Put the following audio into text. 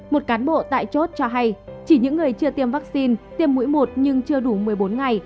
một cán bộ tại chốt cho hay chỉ những người chưa tiêm vaccine tiêm mũi một nhưng chưa đủ một mươi bốn ngày